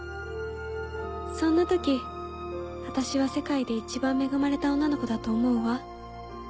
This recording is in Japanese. そんな時あたしは世界で一番恵まれた女の子だと思うわ。